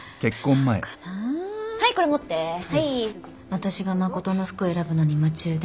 私が誠の服選ぶのに夢中で。